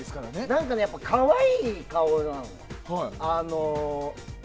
何かね、可愛い顔なのよ。